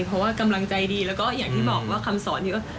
เพราะว่ากำลังใจดีแล้วก็อย่างที่บอกว่าคำสอนนี้ก็